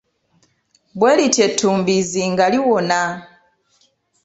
Bwe lityo ettumbiizi nga liwona.